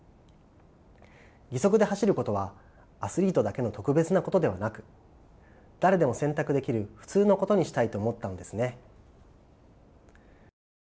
義足で走ることはアスリートだけの特別なことではなく誰でも選択できる普通のことにしたいと思ったのですね。